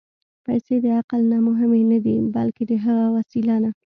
پېسې د عقل نه مهمې نه دي، بلکې د هغه وسیله ده.